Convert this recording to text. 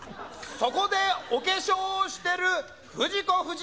そこでお化粧をしてる冨士子夫人！